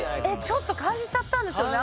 ちょっと感じちゃったんですよね